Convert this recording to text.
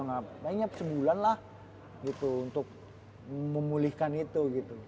akhirnya sebulan lah gitu untuk memulihkan itu gitu